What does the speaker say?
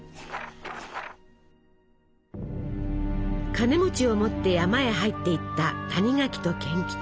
カネを持って山へ入っていった谷垣と賢吉。